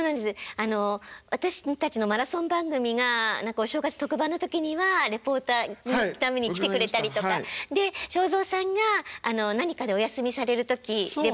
あの私たちのマラソン番組がお正月特番の時にはリポーターのために来てくれたりとかで正蔵さんが何かでお休みされる時リポーターを。